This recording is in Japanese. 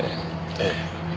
ええ。